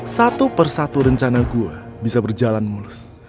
satu persatu rencana gua bisa berjalan mulus